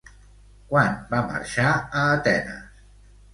Quan va marxar a Atenes?